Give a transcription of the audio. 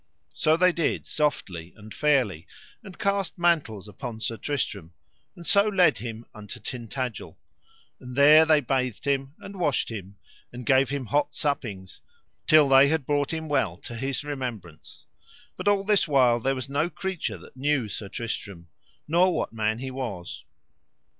So they did softly and fair, and cast mantles upon Sir Tristram, and so led him unto Tintagil; and there they bathed him, and washed him, and gave him hot suppings till they had brought him well to his remembrance; but all this while there was no creature that knew Sir Tristram, nor what man he was.